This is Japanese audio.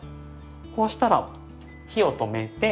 こうしたら火を止めて。